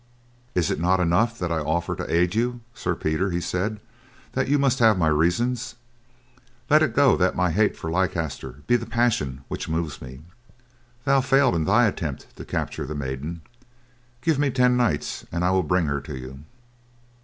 "Is it not enough that I offer to aid you, Sir Peter," he said, "that you must have my reasons? Let it go that my hate of Leicester be the passion which moves me. Thou failed in thy attempt to capture the maiden; give me ten knights and I will bring her to you."